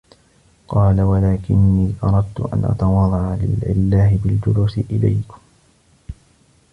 قَالَ لَا وَلَكِنِّي أَرَدْتُ أَنْ أَتَوَاضَعَ لِلَّهِ بِالْجُلُوسِ إلَيْكُمْ